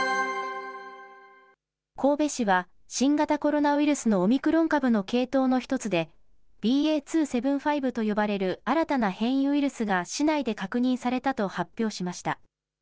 神戸市は、新型コロナウイルスのオミクロン株の系統の一つで、ＢＡ．２．７５と呼ばれる新たな変異ウイルスが市内で確認されたと発表しました。